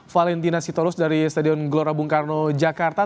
valentina sitorus dari stadion glora bungkarno jakarta